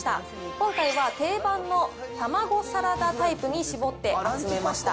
今回は定番のたまごサラダタイプに絞って集めました。